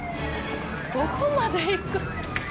どこまで行く？